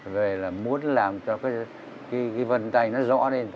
về là muốn làm cho cái vân tay nó rõ lên